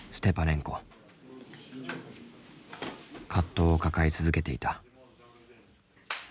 葛藤を抱え続けていた。